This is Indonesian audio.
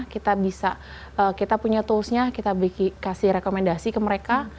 kita bisa kita punya toolsnya kita kasih rekomendasi ke mereka